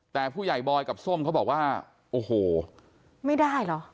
แต่ผู้ใหญ่บอยกับส้มเขาบอกว่าโอ้โหไม่ได้เหรอ